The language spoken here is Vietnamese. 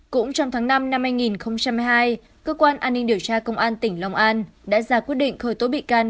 cũng trong tháng năm năm hai nghìn hai mươi hai cơ quan an ninh điều tra công an tỉnh long an đã ra quyết định khởi tố bị can